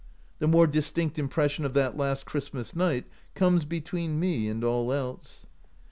The more distinct impression of that last Christmas night comes between me and all else.